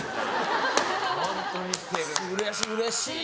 うれしい。